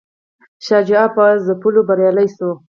شاه شجاع په ځپلو بریالی شو.